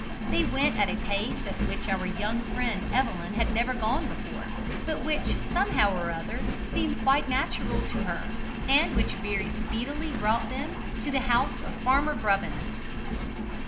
They went at a pace at which our young friend Evelyn had never gone before, but which somehow or other seemed quite natural to her, and which very speedily brought them to the house of Farmer Grubbins.